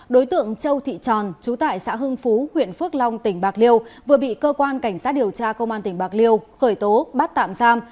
đối tượng châu thị tròn chú tại xã hưng phú huyện phước long tỉnh bạc liêu vừa bị cơ quan cảnh sát điều tra công an tỉnh bạc liêu khởi tố bắt tạm giam